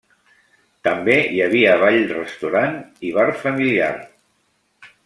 També hi havia ball, restaurant i bar familiar.